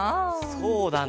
そうだな。